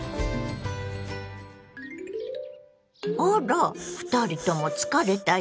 あら２人とも疲れた様子ね。